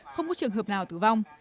không có trường hợp nào tử vong